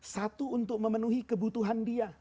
satu untuk memenuhi kebutuhan dia